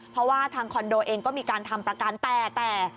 เพราะว่าทางคอนโดเองก็มีการทำประกันแต่แต่